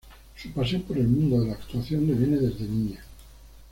Su pasión por el mundo de la actuación le viene desde niña.